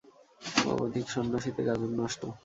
অধিক সন্ন্যাসীতে গাজন নষ্ট।